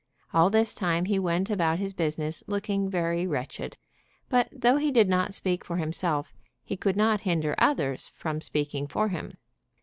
All this time he went about his business looking very wretched. But though he did not speak for himself, he could not hinder others from speaking for him.